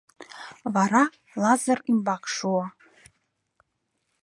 Вара Лазыр ӱмбак шуо.